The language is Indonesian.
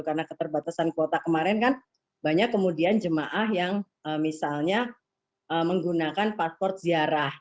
karena keterbatasan kuota kemarin kan banyak kemudian jemaah yang misalnya menggunakan paspor ziarah